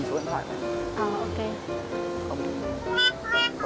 chưa còn mình có